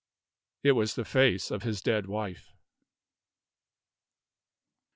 It was the face of his dead wife.